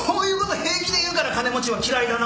平気で言うから金持ちは嫌いだな。